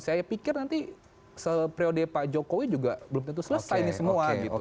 saya pikir nanti se periode pak jokowi juga belum tentu selesai ini semua